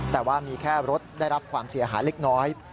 แต่ว่ามีแค่รถได้รับความเสียหายเล็กน้อย